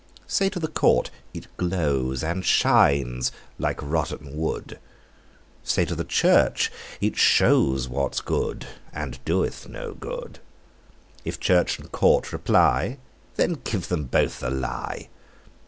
Say to the court it glows And shines like rotten wood, Say to the church it shows What's good, and doth no good: If church and court reply, Then give them both the lie.